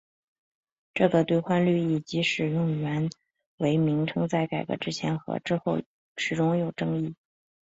这个兑换率以及使用元为名称在改革之前和之后始终有争议。